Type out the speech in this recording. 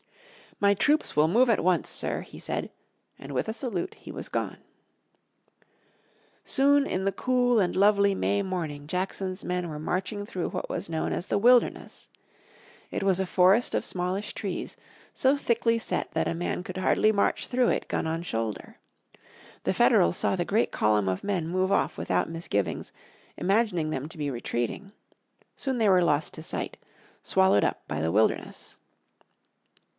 "My troops will move at once, sir," he said, and with a salute he was gone. Soon in the cool and lovely May morning Jackson's men were marching through what was known as the Wilderness. It was a forest of smallish trees, so thickly set that a man could hardly march through it gun on shoulder. The Federals saw the great column of men move off without misgivings, imagining them to be retreating. Soon they were lost to sight, swallowed up by the Wilderness.